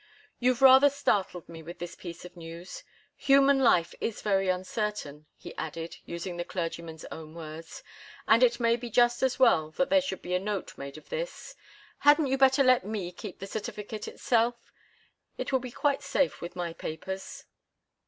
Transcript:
"You've rather startled me with this piece of news. Human life is very uncertain," he added, using the clergyman's own words, "and it may be just as well that there should be a note made of this. Hadn't you better let me keep the certificate itself? It will be quite safe with my papers."